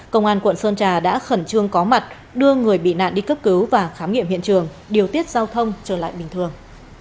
công an quận sơn trà đã khẩn trương có mặt đưa người bị nạn đi cấp cứu và khám nghiệm hiện trường điều tiết giao thông trở lại bình thường